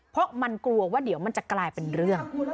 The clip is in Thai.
เพราะมันกลัวว่าเดี๋ยวมันจะกลายเป็นเรื่อง